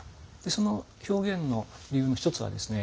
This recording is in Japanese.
その表現の理由の一つはですね